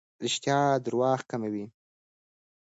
رښتیا درواغ کموي.